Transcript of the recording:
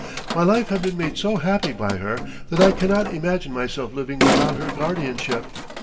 My life has been made so happy by her that I cannot imagine myself living without her guardianship.